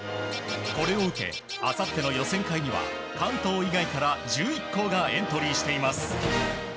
これを受けあさっての予選会には関東以外から１１校がエントリーしています。